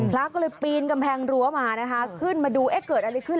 พละก็เลยปีนกำแพงรั้มาขึ้นมาดูด้วยเกิดอะไรมันขึ้น